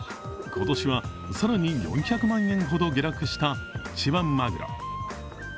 今年は更に４００万円ほど下落した一番マグロ。